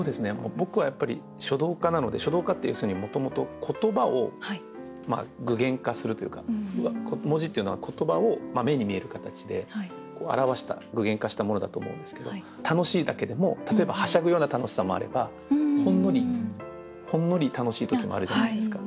僕はやっぱり書道家なので書道家って要するにもともと言葉を具現化するというか文字っていうのは言葉を目に見える形で表した具現化したものだと思うんですけど楽しいだけでも例えばはしゃぐような楽しさもあればほんのりほんのり楽しい時もあるじゃないですか。